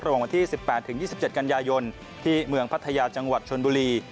วันที่๑๘๒๗กันยายนที่เมืองพัทยาจังหวัดชนบุรี